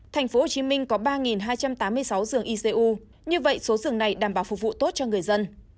tp hcm có ba hai trăm tám mươi sáu giường icu như vậy số giường này đảm bảo phục vụ tốt cho người dân